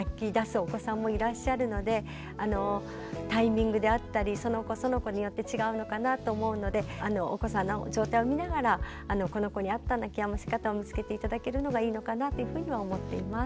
お子さんもいらっしゃるのでタイミングであったりその子その子によって違うのかなと思うのでお子さんの状態を見ながらこの子に合った泣きやませ方を見つけて頂けるのがいいのかなというふうには思っています。